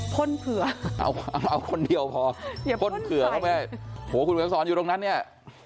พ่นเผื่อเอาคนเดียวพอพ่นเผื่อเข้าไปโหคุณมาสอนอยู่ตรงนั้นเนี่ย